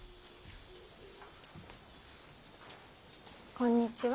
こんにちは。